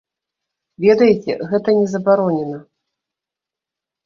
Ведаеце, гэта не забаронена.